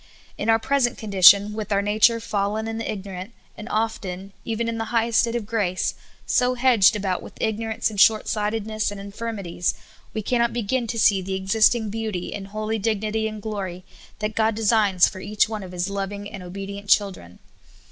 In our present con dition, with our nature fallen and ignorant, and often, even in the highest state of grace, so hedged about with ignorance and short sightedness and infirmities, we cannot begin to see the existing beauty and holy dignity and glory that God designs for each one of His loving and obedient children.